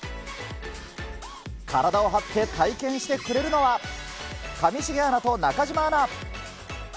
体を張って体験してくれるのは、上重アナと中島アナ。